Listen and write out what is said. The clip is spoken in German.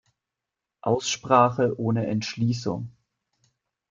Aussprache ohne Entschließung!